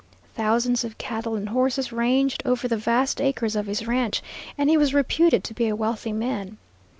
Thousands of cattle and horses ranged over the vast acres of his ranch, and he was reputed to be a wealthy man.